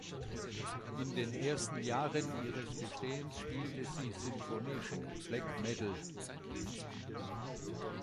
In den ersten Jahren ihres Bestehens spielte sie symphonischen Black Metal.